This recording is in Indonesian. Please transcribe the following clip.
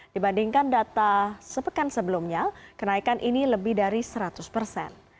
dibandingkan data sepekan sebelumnya kenaikan ini lebih dari seratus persen